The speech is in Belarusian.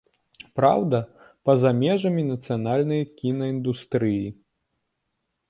Праўда, па-за межамі нацыянальнай кінаіндустрыі.